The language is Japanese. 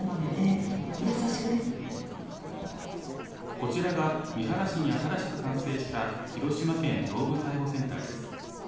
こちらが三原市に新しく完成した広島県動物愛護センターです。